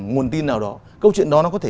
nguồn tin nào đó câu chuyện đó nó có thể